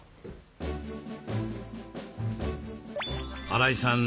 荒井さん